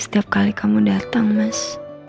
setiap kali kamu datang mas